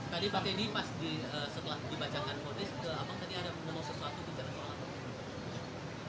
tadi pak edi pas di setelah dibacakan kondisi apa tadi ada menolong sesuatu bicara soal apa